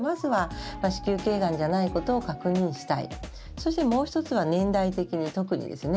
そして、もう１つは年代的に特にですね